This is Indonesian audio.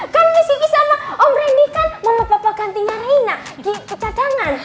kan miss kiki sama om rendy kan mau ngepapakan tingan reina di kecadangan